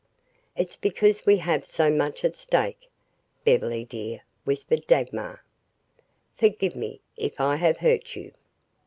"It's because we have so much at stake, Beverly, dear," whispered Dagmar. "Forgive me if I have hurt you."